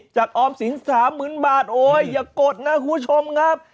ออมสิน๓๐๐๐บาทโอ๊ยอย่ากดนะคุณผู้ชมครับ